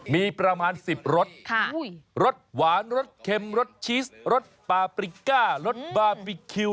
มีประมาณ๑๐รสรสหวานรสเค็มรสชีสรสปาปริก้ารสบาร์บีคิว